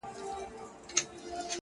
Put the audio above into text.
اور يې وي په سترگو کي لمبې کوې;